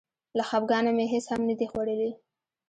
له خپګانه مې هېڅ هم نه دي خوړلي.